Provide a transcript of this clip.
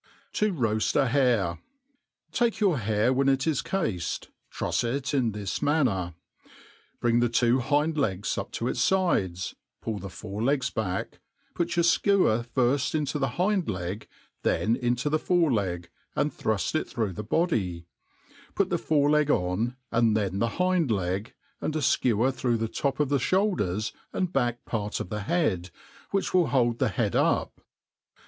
To roaji a Hare. TAKE your hare when it is cafed; trufs it in this man ner, bring the two hind legs up to its^ii^^s, pujl the fore legs kapk,. put ypur.fkewer firft into the hind leg, then into the fore leg^ and thru(i it through the body ; put the fore leg on, and then ihe ..hii)d*leg, and a ikewer through the top of the (boulders and back part of the head, which will hold the head up.